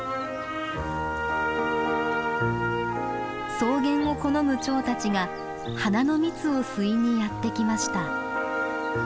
草原を好むチョウたちが花の蜜を吸いにやって来ました。